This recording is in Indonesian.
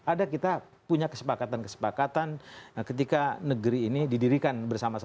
ada kita punya kesepakatan kesepakatan ketika negeri ini didirikan